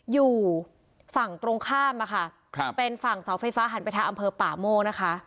อยู่ฝั่งตรงข้ามอะค่ะครับเป็นฝั่งเสาไฟฟ้าหันไปทางอำเภอป่าโม่นะคะ